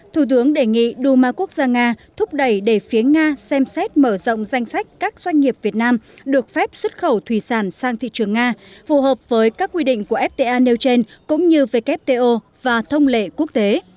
thủ tướng đề nghị đu ma quốc gia nga thúc đẩy để phía nga xem xét mở rộng danh sách các doanh nghiệp việt nam được phép xuất khẩu thủy sản sang thị trường nga phù hợp với các quy định của fta nêu trên cũng như wto và thông lệ quốc tế